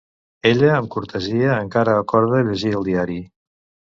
Ella amb cortesia encara acorda llegir el diari.